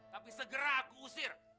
tapi segera aku usir